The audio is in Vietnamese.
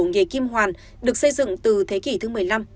nghề kim hoàn được xây dựng từ thế kỷ thứ một mươi năm